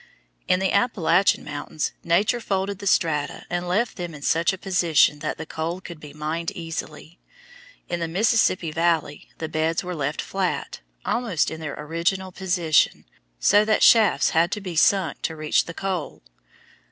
In the Appalachian mountains Nature folded the strata and left them in such a position that the coal could be mined easily. In the Mississippi Valley the beds were left flat, almost in their original position, so that shafts had to be sunk to reach the coal.